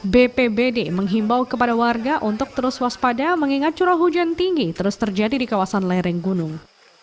bpbd menghimbau kepada warga untuk terus waspada mengingat curah hujan tinggi terus terjadi di kawasan lereng gunung